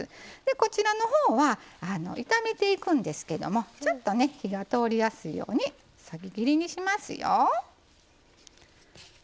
こちらは炒めていくんですけれども火が通りやすいようにそぎ切りにしますよ。